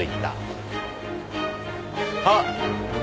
あっ！